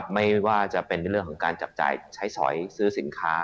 ไม่ว่าจะเป็นในเรื่องของการจับจ่ายใช้สอยซื้อสินค้า